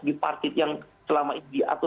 di partit yang selama ini diatur